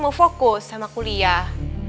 mau fokus sama kuliah